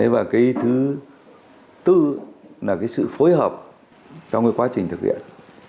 và cái thứ tư là cái sự phối hợp trong cái quá trình thực hiện